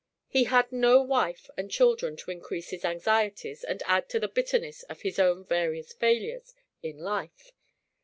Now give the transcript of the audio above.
He had no wife and children to increase his anxieties and add to the bitterness of his various failures in life.